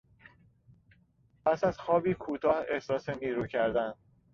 پس از خوابی کوتاه احساس نیرو کردن